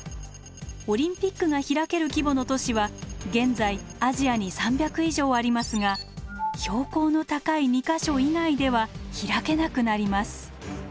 オリンピックが開ける規模の都市は現在アジアに３００以上ありますが標高の高い２か所以外では開けなくなります。